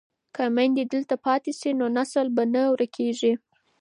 که میندې دلته پاتې شي نو نسل به نه ورکيږي.